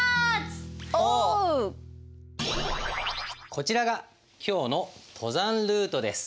こちらが今日の登山ルートです。